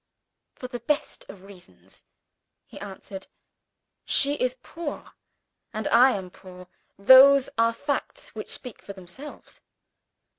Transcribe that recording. "For the best of reasons," he answered "She is poor, and I am poor. Those are facts which speak for themselves."